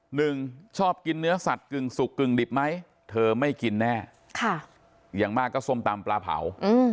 หนึ่งชอบกินเนื้อสัตว์กึ่งสุกกึ่งดิบไหมเธอไม่กินแน่อย่างมากก็ส้มตำปลาเผา